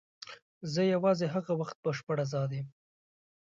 زه یوازې هغه وخت بشپړ آزاد یم.